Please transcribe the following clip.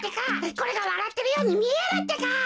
これがわらってるようにみえるってか？